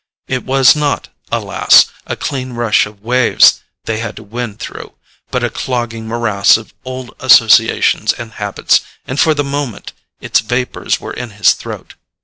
It was not, alas, a clean rush of waves they had to win through, but a clogging morass of old associations and habits, and for the moment its vapours were in his throat.